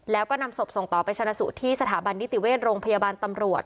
แล้วก็นำศพส่งต่อไปชนะสูตรที่สถาบันนิติเวชโรงพยาบาลตำรวจ